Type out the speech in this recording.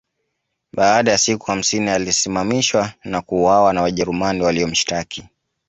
Baada ya siku hamsini alisimamishwa na kuuawa na Wajerumani waliomshtaki